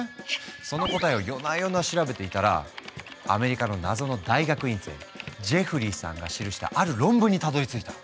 その答えを夜な夜な調べていたらアメリカの謎の大学院生ジェフリーさんが記したある論文にたどりついた。